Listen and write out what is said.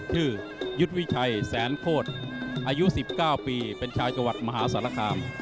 ชื่อยุทธวิชัยแสนโคตรอายุ๑๙ปีเป็นชายกวัดมหาสารคาม